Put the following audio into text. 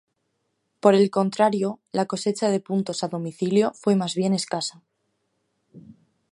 Por el contrario, la cosecha de puntos a domicilio fue más bien escasa.